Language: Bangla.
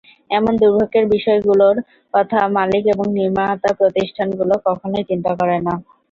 এমন দুর্ভোগের বিষয়গুলোর কথা মালিক এবং নির্মাতাপ্রতিষ্ঠানগুলো কখনোই চিন্তা করে না।